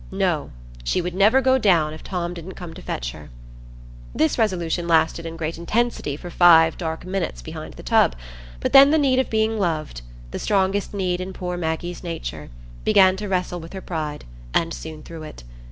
No, she would never go down if Tom didn't come to fetch her. This resolution lasted in great intensity for five dark minutes behind the tub; but then the need of being loved—the strongest need in poor Maggie's nature—began to wrestle with her pride, and soon threw it.